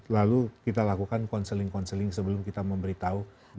lalu kita lakukan counseling counseling sebelum kita memberi tahu dia positif